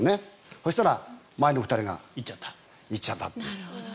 そしたら前の２人が行っちゃった。